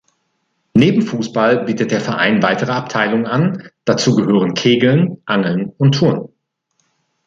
Neben Fußball bietet der Verein weitere Abteilungen an dazu gehören Kegeln, Angeln und Turnen.